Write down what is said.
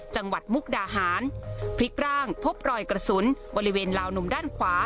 มุกดาหารพลิกร่างพบรอยกระสุนบริเวณลาวนมด้านขวา